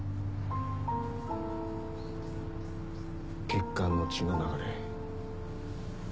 血管の血の流れ。